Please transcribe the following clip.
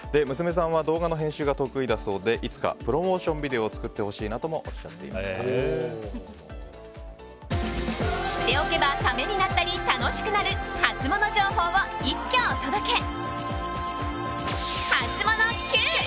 娘さんは動画の編集が得意だそうでいつかプロモーションビデオを作ってほしいなとも知っておけば、ためになったり楽しくなるハツモノ情報を一挙お届け。